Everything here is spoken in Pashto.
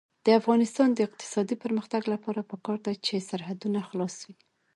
د افغانستان د اقتصادي پرمختګ لپاره پکار ده چې سرحدونه خلاص وي.